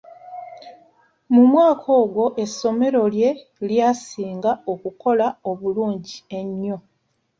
Mu mwaka ogwo essomero lye lyasinga okukola obulungi ennyo.